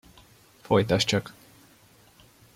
Folytasd csak.